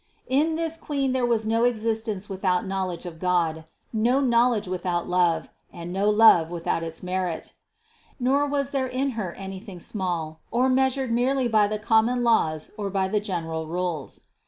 In this Queen there was no existence without knowledge of God, no knowledge without love, and no love with out its merit. Nor was there in Her anything small, or measured merely by the common laws or by the general rules.